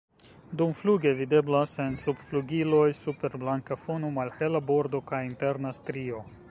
Dumfluge videblas en subflugiloj super blanka fono malhela bordo kaj interna strio.